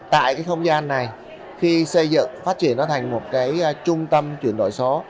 tại cái không gian này khi xây dựng phát triển nó thành một cái trung tâm chuyển đổi số